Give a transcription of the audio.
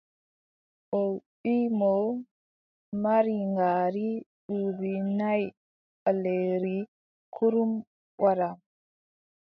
O wiʼi mo mari ngaari duuɓi nayi ɓaleeri kurum wadda.